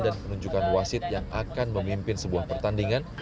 dan penunjukan wasid yang akan memimpin sebuah pertandingan